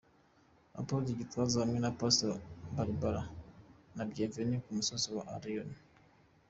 Apotre Gitwaza hamwe na Pastor Barbara na Bienvenu ku musozi wa Elayono.